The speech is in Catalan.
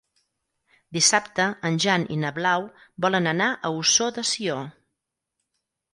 Dissabte en Jan i na Blau volen anar a Ossó de Sió.